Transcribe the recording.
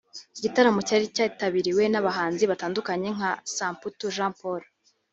Iki gitaramo cyari cyanitabiriwe n’abahanzi batandukanye nka Samputu Jean Paul